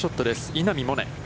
稲見萌寧。